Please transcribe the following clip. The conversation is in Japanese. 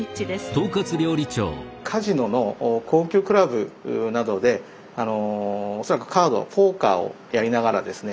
カジノの高級クラブなどで恐らくカードポーカーをやりながらですね